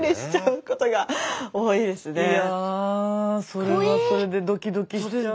それはそれでドキドキしちゃうわ。